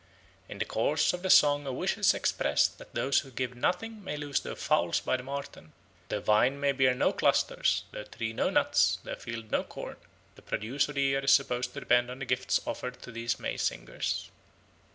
In the course of the song a wish is expressed that those who give nothing may lose their fowls by the marten, that their vine may bear no clusters, their tree no nuts, their field no corn; the produce of the year is supposed to depend on the gifts offered to these May singers.